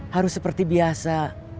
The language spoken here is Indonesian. harus seperti biasa